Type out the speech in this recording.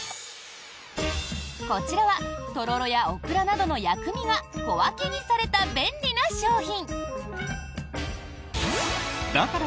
こちらはとろろやオクラなどの薬味が小分けにされた便利な商品。